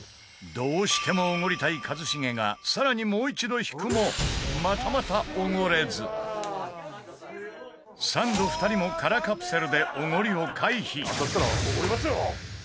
どうしてもおごりたい一茂が更に、もう一度引くもまたまた、おごれずサンド２人も空カプセルでおごりを回避富澤：当たったらおごりますよ！